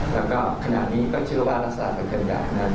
แล้วก็ขนาดนี้ก็เชื่อว่ารักษาเป็นการอย่างนั้น